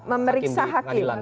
oh ya memeriksa hakim